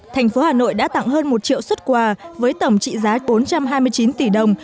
thành phố hà nội đã tặng hơn một triệu xuất quà với tổng trị giá bốn trăm hai mươi chín tỷ đồng